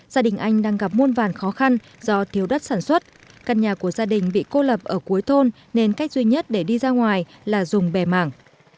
gia đình anh đang gặp muôn vàn khó khăn do thiếu đất sản xuất căn nhà của gia đình bị cô lập ở cuối thôn nên cách duy nhất để đi ra ngoài là dùng bè mảng